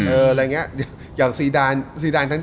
เพ็กงาน